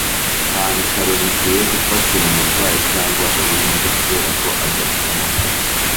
nta bitaro bikwiye gufatira umurwayi cyangwa uruhinja kubera ko adafite amafaranga